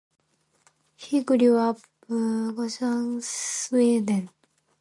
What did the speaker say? He grew up in Gothenburg, Sweden.